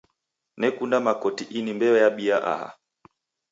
Nekunda makoti ini mbeo yabia aha.